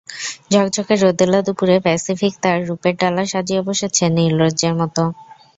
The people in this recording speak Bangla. ঝকঝকে রোদেলা দুপুরে প্যাসিফিক তার রূপের ডালা সাজিয়ে বসেছে নির্লজ্জের মতো।